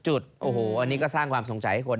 โอ้โหอันนี้ก็สร้างความสงสัยให้คน